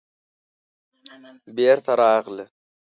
بېرته راغله.